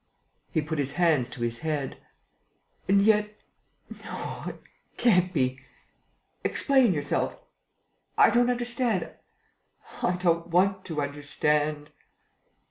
He put his hands to his head: "And yet, no, it can't be ... Explain yourself.... I don't understand.... I don't want to understand...."